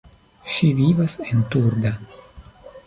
Ŝi vivas en Turda.